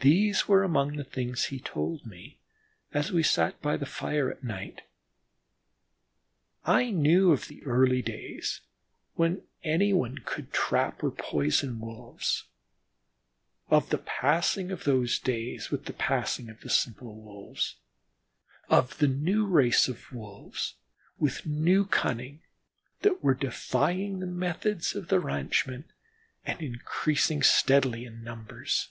These were among the things he told me as we sat by the fire at night. I knew of the early days when any one could trap or poison Wolves, of the passing of those days, with the passing of the simple Wolves; of the new race of Wolves with new cunning that were defying the methods of the ranchmen, and increasing steadily in numbers.